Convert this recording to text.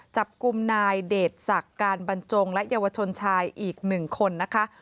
จับกลุ่มนายเดชศักดิ์การบรรจงและเยาวชนชายอีก๑คนนะคะ